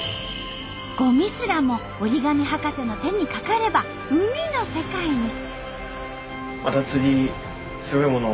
ごみすらも折り紙博士の手にかかれば海の世界に！